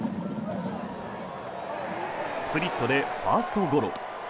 スプリットでファーストゴロ。